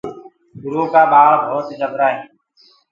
اُرو ڪآ ٻآݪ ڀوت جبرآ هينٚ۔